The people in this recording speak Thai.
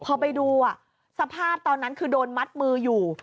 พอไปดูสภาพตอนนั้นคือโดนมัดมืออยู่